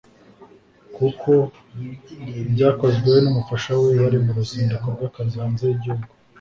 kuko byakozwe we n’umufasha we bari mu ruzinduko rw’akazi hanze y’igihugu